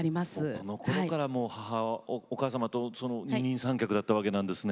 このころからお母様と二人三脚だったわけなんですね。